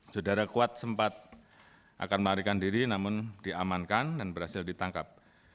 saudara kuat sempat akan melarikan diri namun diamankan dan berhasil ditangkap